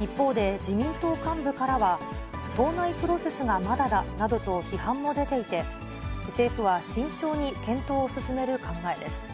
一方で、自民党幹部からは、党内プロセスがまだだなどと批判も出ていて、政府は慎重に検討を進める考えです。